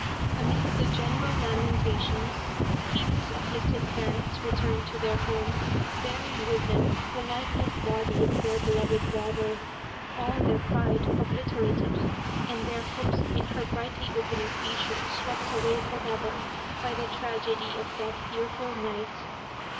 Amidst the general lamentations, Kinu's afflicted parents returned to their home, bearing with them the lifeless body of their beloved daughter : all their pride obliterated and their hopes in her brightly opening future swept away for ever by the tragedy of that fearful night.